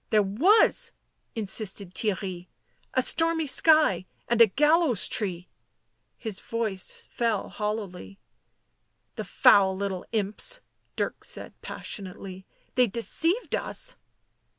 " There was," insisted Theirry. " A stormy sky and a gallows tree " His voice fell hollowly. " The foul little imps !" Dirk said passionately. " They deceived us